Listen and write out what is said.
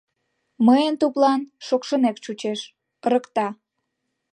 Мыйын туплан шокшынек чучеш — ырыкта.